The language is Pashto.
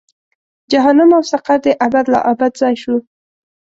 جهنم او سقر دې ابد لا ابد ځای شو.